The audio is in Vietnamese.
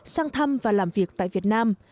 sang thăm và làm việc tại việt nam